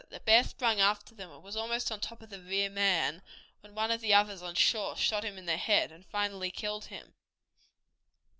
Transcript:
The bear sprang after them, and was almost on top of the rear man when one of the others on shore shot him in the head, and finally killed him.